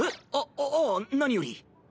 あああ何より。